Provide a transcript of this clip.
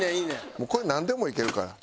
もうこれなんでもいけるから。